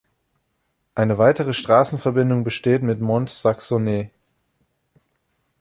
Eine weitere Straßenverbindung besteht mit Mont-Saxonnex.